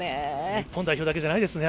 日本代表だけじゃないですよね。